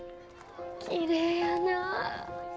きれいやなあ。